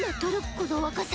この若さ。